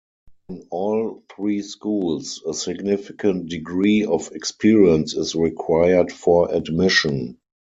On all three schools, a significant degree of experience is required for admission.